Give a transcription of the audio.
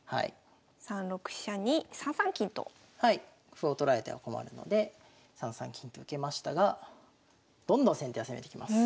歩を取られては困るので３三金と受けましたがどんどん先手は攻めてきます。